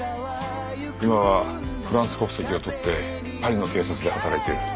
今はフランス国籍を取ってパリの警察で働いてる。